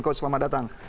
coach selamat datang